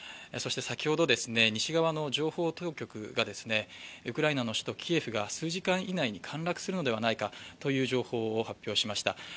そして、先ほど西側の情報当局がウクライナの首都キエフが数時間以内に陥落するのではないかという情報を発信しました。